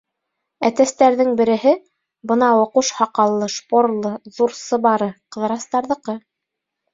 Әтәстәрҙең береһе, бынауы ҡуш һаҡаллы, шпорлы, ҙур сыбары, Ҡыҙырастарҙыҡы.